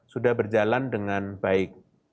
sudah berjalan dengan baik